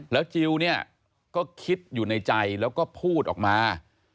แล้วจิลเนี่ยก็คิดอยู่ในใจแล้วก็พูดออกมา